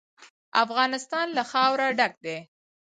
افغانستان له خاوره ډک دی.